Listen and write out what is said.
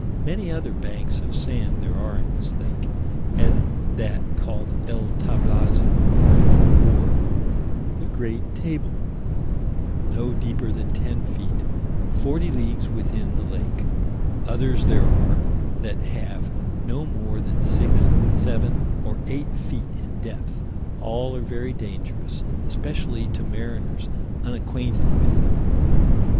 Many other banks of sand there are in this lake; as that called El Tablazo, or the Great Table, no deeper than ten feet, forty leagues within the lake; others there are, that have no more than six, seven, or eight feet in depth: all are very dangerous, especially to mariners unacquainted with them.